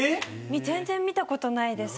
全然見たことないです。